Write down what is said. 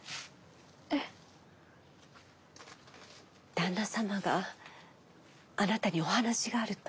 旦那様があなたにお話があると。